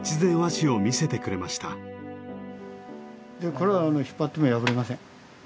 これは引っ張っても破れません。